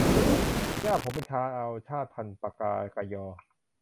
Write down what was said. ย่าผมเป็นชาวชาติพันธุ์ปกากะญอ